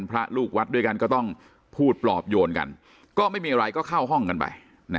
พระลูกวัดด้วยกันก็ต้องพูดปลอบโยนกันก็ไม่มีอะไรก็เข้าห้องกันไป